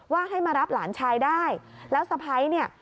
ให้มารับหลานชายได้แล้วสะพ้ายเนี่ย